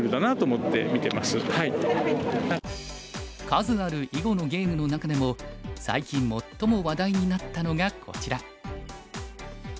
数ある囲碁のゲームの中でも最近最も話題になったのがこちら。